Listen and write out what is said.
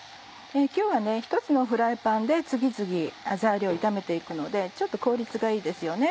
今日は１つのフライパンで次々材料を炒めて行くので効率がいいですよね。